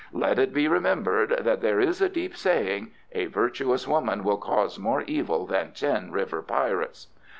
Let it be remembered that there is a deep saying, "A virtuous woman will cause more evil than ten river pirates."